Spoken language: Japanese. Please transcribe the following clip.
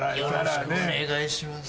判定お願いします。